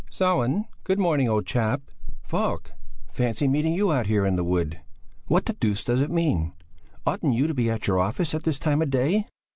"Sellén! Good morning, old chap!" "Falk! Fancy meeting you out here in the wood! What the deuce does it, mean? Oughtn't you to be at your office at this time of day?"